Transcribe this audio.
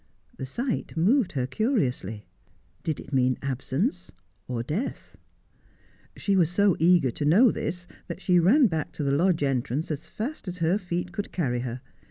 The sight moved her curiously. Did it mean absence— or death 1 She was so eager to know this, that she ran back to the lodge entrance as fast as her feet could carry her.